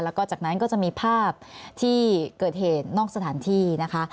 แล้วก็จากนั้นก็จะมีภาพที่เกิดเหตุนอกสถานที่นะคะ